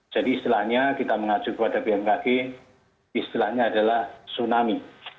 jadi istilahnya kita mengajuk kepada bmkg istilahnya adalah tsunami